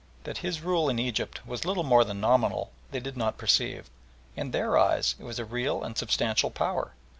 That his rule in Egypt was little more than nominal they did not perceive. In their eyes it was a real and substantial power.